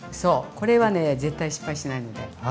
これはね絶対失敗しないので。